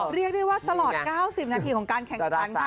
เรียกได้ว่าตลอด๙๐นาทีของการแข่งขันค่ะ